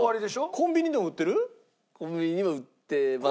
コンビニにも売ってます。